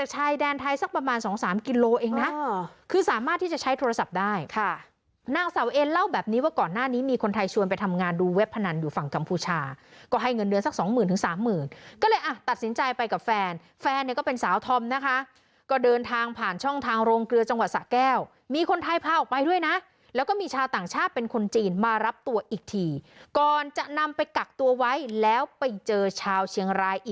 หน้านี้มีคนไทยชวนไปทำงานดูเว็บพนันอยู่ฝั่งกำพูชาก็ให้เงินเดือนสักสองหมื่นถึงสามหมื่นก็เลยอ่ะตัดสินใจไปกับแฟนแฟนเนี้ยก็เป็นสาวธอมนะคะก็เดินทางผ่านช่องทางโรงเกลือจังหวัดสระแก้วมีคนไทยพาออกไปด้วยนะแล้วก็มีชาวต่างชาติเป็นคนจีนมารับตัวอีกทีก่อนจะนำไปกักตัวไว้แล้วไป